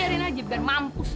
biarin aja biar mampus